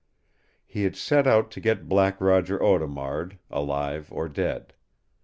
He had set out to get Black Roger Audemard, alive or dead.